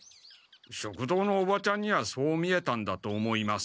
食堂のおばちゃんにはそう見えたんだと思います。